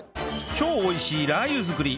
超美味しいラー油作り！